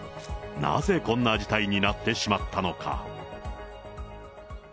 なぜこんな事態になってしまったのか。